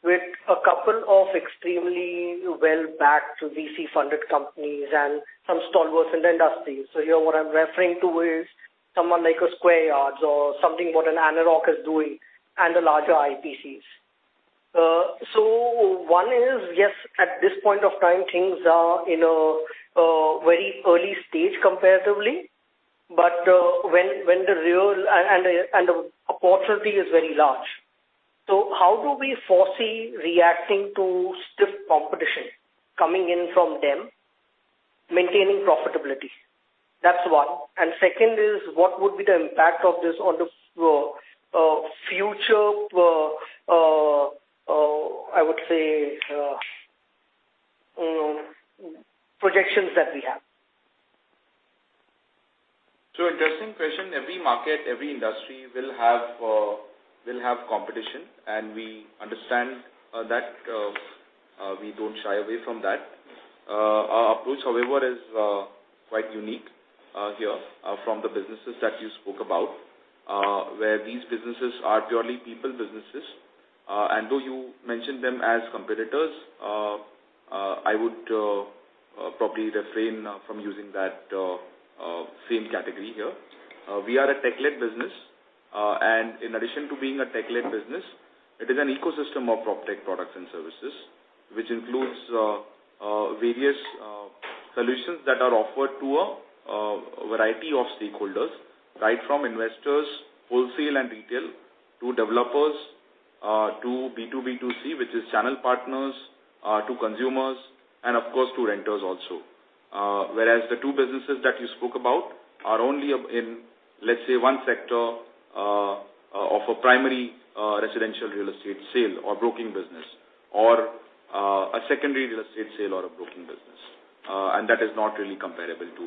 O: with a couple of extremely well backed VC-funded companies and some stalwarts in the industry. Here what I'm referring to is someone like a Square Yards or something what an ANAROCK is doing and the larger IPCs. One is, yes, at this point of time, things are in a very early stage comparatively. When the real. The opportunity is very large. How do we foresee reacting to stiff competition coming in from them, maintaining profitability? That's one. Second is, what would be the impact of this on the future, I would say, projections that we have?
D: Interesting question. Every market, every industry will have competition, we understand that we don't shy away from that. Our approach, however, is quite unique here from the businesses that you spoke about where these businesses are purely people businesses. Though you mentioned them as competitors, I would probably refrain from using that same category here. We are a tech-led business. In addition to being a tech-led business, it is an ecosystem of PropTech products and services, which includes various solutions that are offered to a variety of stakeholders, right from investors, wholesale and retail, to developers, to B2B2C, which is channel partners, to consumers and of course to renters also. Whereas the 2 businesses that you spoke about are only in, let's say, 1 sector of a primary residential real estate sale or broking business or a secondary real estate sale or a broking business. That is not really comparable to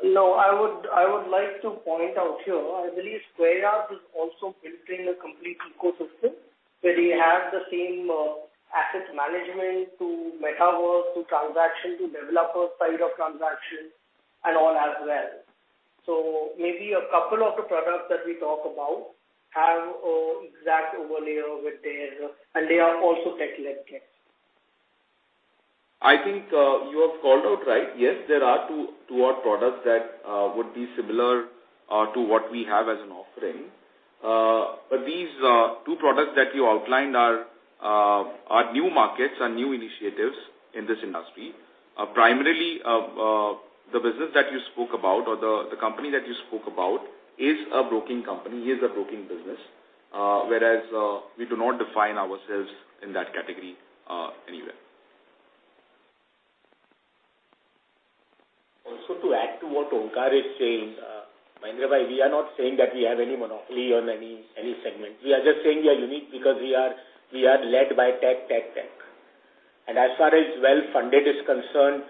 O: I would like to point out here, I believe Square Yards is also building a complete ecosystem, where they have the same assets management to metaverse to transaction to developer side of transactions and all as well. Maybe a couple of the products that we talk about have exact overlay with theirs, and they are also tech-led.
D: I think you have called out right. Yes, there are two odd products that would be similar to what we have as an offering. These two products that you outlined are new markets and new initiatives in this industry. Primarily, the business that you spoke about or the company that you spoke about is a broking company, is a broking business, whereas, we do not define ourselves in that category, anywhere.
C: Also, to add to what Omkar is saying, Mahendra, we are not saying that we have any monopoly on any segment. We are just saying we are unique because we are led by tech. As far as well-funded is concerned,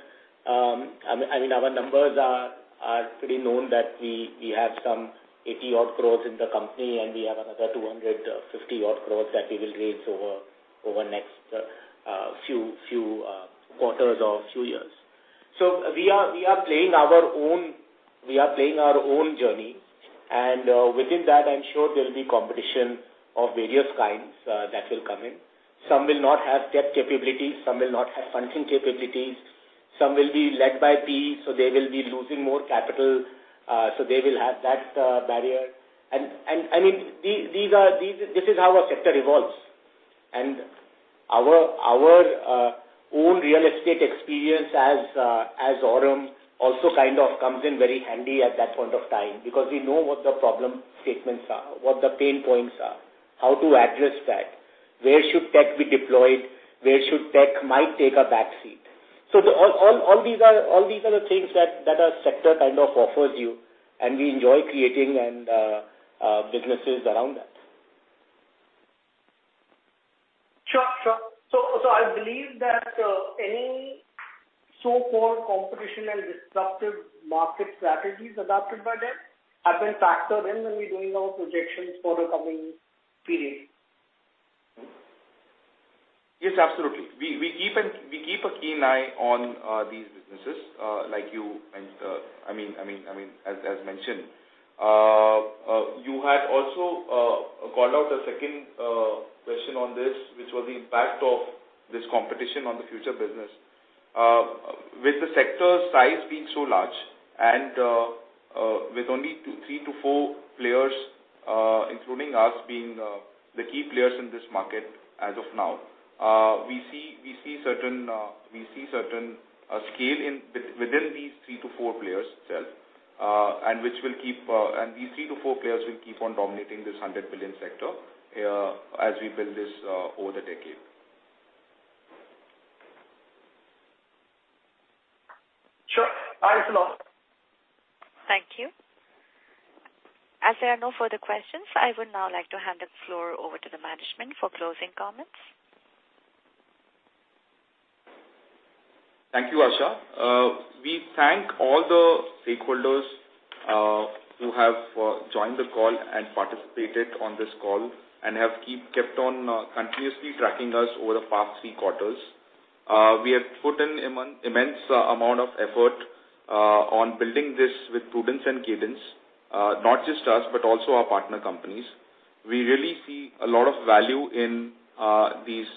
C: I mean, our numbers are pretty known that we have some 80 odd crores in the company, and we have another 250 odd crores that we will raise over next few quarters or few years. We are playing our own journey. Within that, I'm sure there will be competition of various kinds that will come in. Some will not have tech capabilities, some will not have funding capabilities, some will be led by PE, so they will be losing more capital, so they will have that barrier. I mean, these are... This is how a sector evolves. Our own real estate experience as Aurum also kind of comes in very handy at that point of time, because we know what the problem statements are, what the pain points are, how to address that, where should tech be deployed, where should tech might take a back seat. All these are the things that a sector kind of offers you, and we enjoy creating businesses around that.
O: Sure. I believe that, any so-called competition and disruptive market strategies adopted by them have been factored in when we're doing our projections for the coming period.
D: Yes, absolutely. We keep a keen eye on these businesses, like I mean, as mentioned. You had also called out the second question on this, which was the impact of this competition on the future business. With the sector size being so large and with only 2, 3 to 4 players, including us being the key players in this market as of now, we see certain scale in, within these 3 to 4 players itself, and these 3 to 4 players will keep on dominating this $100 billion sector, as we build this over the decade.
O: Sure. Thanks a lot.
A: Thank you. As there are no further questions, I would now like to hand the floor over to the management for closing comments.
D: Thank you, Asha. We thank all the stakeholders who have joined the call and participated on this call and have kept on continuously tracking us over the past three quarters. We have put an immense amount of effort on building this with prudence and cadence, not just us, but also our partner companies. We really see a lot of value in these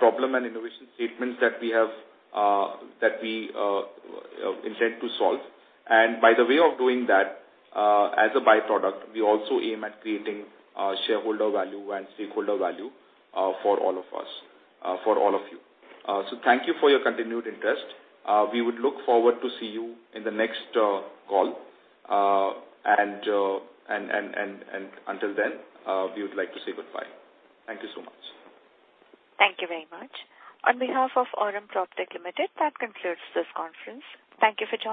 D: problem and innovation statements that we have that we intend to solve. By the way of doing that, as a byproduct, we also aim at creating shareholder value and stakeholder value for all of us, for all of you. Thank you for your continued interest. We would look forward to see you in the next call. Until then, we would like to say goodbye. Thank you so much.
A: Thank you very much. On behalf of Aurum PropTech Limited, that concludes this conference. Thank you for joining.